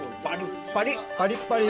パリッパリ！